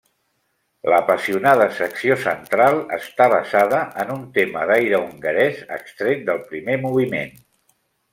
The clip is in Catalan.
L'apassionada secció central està basada en un tema d'aire hongarès extret del primer moviment.